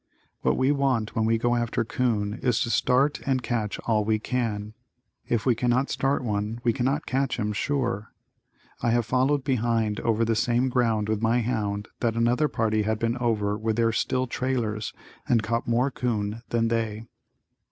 What we want when we go after 'coon is to start and catch all we can. If we cannot start one we cannot catch him, sure. I have followed behind over the same ground with my hound that another party had been over with their still trailers and caught more 'coon than they.